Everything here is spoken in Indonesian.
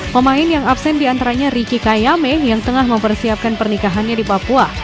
pemain yang absen diantaranya ricky kayame yang tengah mempersiapkan pernikahannya di papua